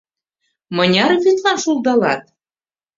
Мыняре вӱдлан шулдалат?